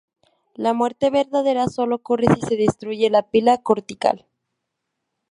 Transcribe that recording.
La muerte verdadera solo ocurre si se destruye la "pila cortical".